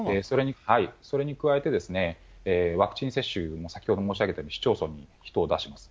それに加えて、ワクチン接種、先ほど申し上げたように市町村に人を出してます。